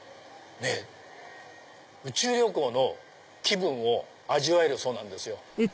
宇宙旅行の気分を味わえるそうなんですよ。